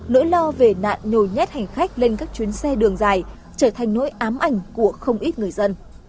nỗi lo về nạn nhồi nhét hành khách lên các chuyến xe đường dài trở thành nỗi ám ảnh của không ít người dân